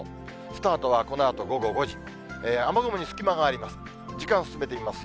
スタートはこのあと午後５時、雨雲に隙間があります。